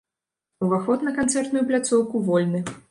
Уваход на канцэртную пляцоўку вольны.